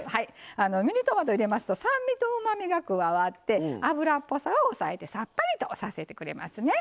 ミニトマト入れますと酸味とうまみが加わって脂っぽさを抑えてさっぱりとさせてくれますね。